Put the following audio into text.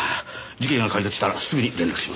事件が解決したらすぐに連絡します。